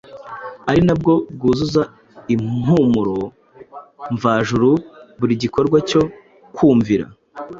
ari nabwo bwuzuza impumuro mvajuru buri gikorwa cyo kumvira.